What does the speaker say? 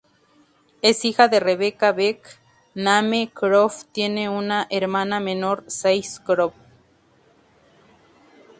Es hija de Rebecca "Bec" McNamee-Croft, tiene una hermana menor Sage Croft.